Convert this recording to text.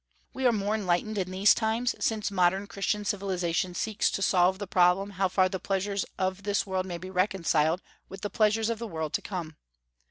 We are more enlightened in these times, since modern Christian civilization seeks to solve the problem how far the pleasures of this world may be reconciled with the pleasures of the world to come.